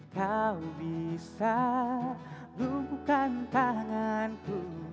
kau bisa rumpukan tanganku